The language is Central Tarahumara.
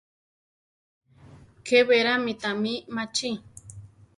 Ke berá mi tami machí.